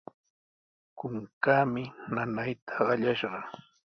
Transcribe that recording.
Kunkaami nanayta qallashqa.